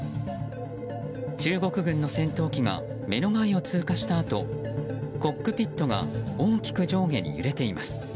中国軍の戦闘機が目の前を通過したあとコックピットが大きく上下に揺れています。